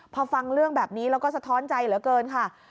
พอฟังเรื่องแบบนี้แล้วก็สะท้อนใจเหลือเกินค่ะ